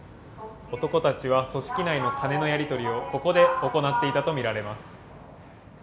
男たちは組織内の金のやり取りをここで行っていたと見られます。